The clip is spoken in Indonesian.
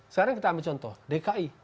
sekarang kita ambil contoh dki